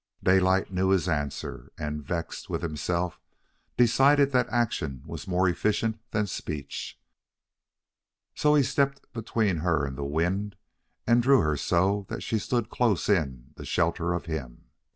Daylight knew his answer, and, vexed with himself decided that action was more efficient than speech. So he stepped between her and the wind and drew her so that she stood close in the shelter of him.